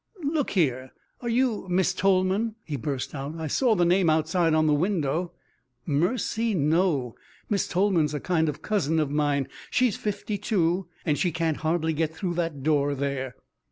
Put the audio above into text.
"Look here, are you Miss Tolman?" he burst out. "I saw the name outside on the window." "Mercy, no! Miss Tolman's a kind of cousin of mine. She's fifty two, and she can't hardly get through that door there."